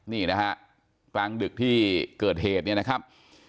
นี่นะฮะกลางดึกที่เกิดเหตุเนี่ยนะครับ